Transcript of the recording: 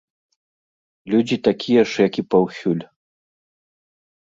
Людзі такія ж, як і паўсюль.